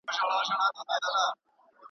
اوس به څوك ځي په اتڼ تر خيبرونو.